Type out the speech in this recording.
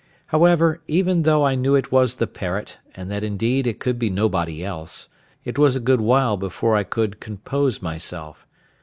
However, even though I knew it was the parrot, and that indeed it could be nobody else, it was a good while before I could compose myself.